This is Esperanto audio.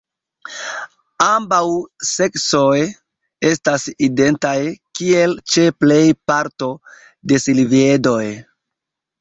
Ambaŭ seksoj estas identaj, kiel ĉe plej parto de silviedoj.